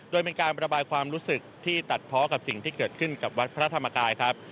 โดยมีการประบายความรู้สึกที่ตัดเพาะกับสิ่งที่เกิดขึ้นกับวัดพระธรรมกายครับ